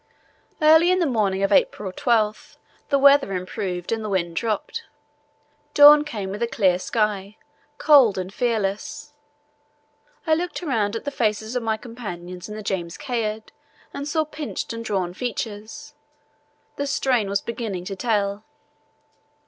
Early in the morning of April 12 the weather improved and the wind dropped. Dawn came with a clear sky, cold and fearless. I looked around at the faces of my companions in the James Caird and saw pinched and drawn features. The strain was beginning to tell.